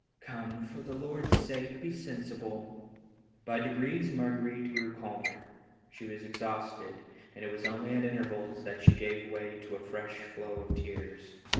Come, for the Lord's sake, be sen sible." By degrees Marguerite grew calmer ; she was ex hausted, and it was only at intervals that she gave way to a fresh flow of tears.